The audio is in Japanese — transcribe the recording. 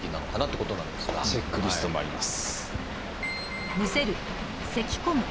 チェックリストもあります。